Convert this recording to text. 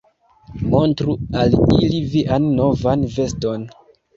Montru al ili vian novan veston.